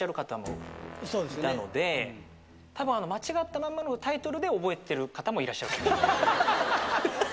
たぶん間違ったままのタイトルで覚えてる方もいらっしゃるかも。